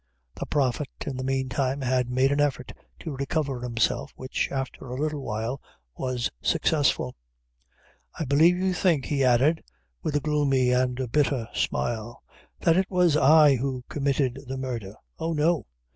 The Prophet, in the mean time, had made an effort to recover himself, which, after a little time, was successful. "I believe you think," he added, with a gloomy and a bitter smile, "that it was I who committed the murdher; oh no!